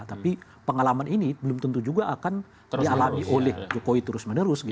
tapi pengalaman ini belum tentu juga akan dialami oleh jokowi terus menerus